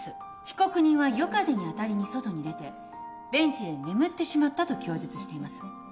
被告人は夜風に当たりに外に出てベンチで眠ってしまったと供述しています。